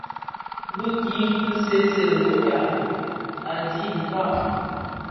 Bi ki ki see see Europa, adhi kpaa,